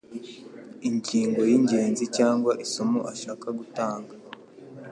ingingo y'ingenzi cyangwa isomo ashaka gutanga